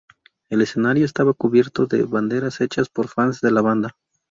El escenario estaba cubierto de banderas hechas por fans de la banda.